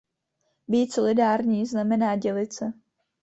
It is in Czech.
Být solidární znamená dělit se.